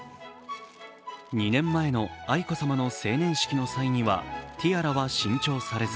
２年前の愛子さまの成年式の際にはティアラは新調されず